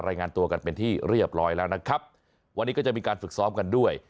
รายงานตัวกันเป็นที่เรียบร้อยแล้วนะครับวันนี้ก็จะมีการฝึกซ้อมกันด้วย